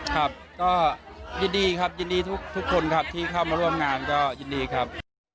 ครับก็ยินดีครับยินดีทุกคนครับที่เข้ามาร่วมงานก็ยินดีครับ